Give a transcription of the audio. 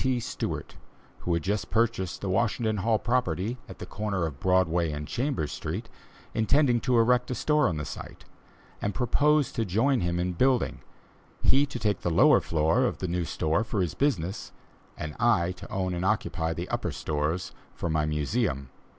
T. Stewart, who had just purchased the Washington Hall property, at the corner of Broadway and Chambers Street, intending to erect a store on the site, and proposed to join him in building, he to take the lower floor of the new store for his business, and I to own and occupy the upper stories for my Museum.